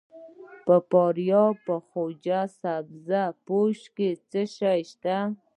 د فاریاب په خواجه سبز پوش کې څه شی شته؟